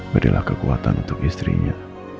berilah kekuatan untuk istrinya